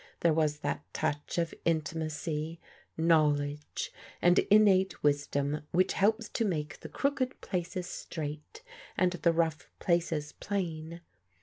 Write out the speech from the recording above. There was that touch of intimacy, knowledge, and innate wisdom which helps to make the crooked places straight, and the rough places plain.